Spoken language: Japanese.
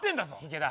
池田